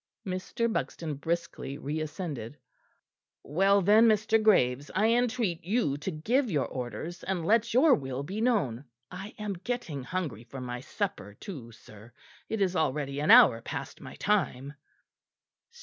Mr. Buxton briskly reascended. "Well, then, Mr. Graves, I entreat you to give your orders, and let your will be known. I am getting hungry for my supper, too, sir. It is already an hour past my time."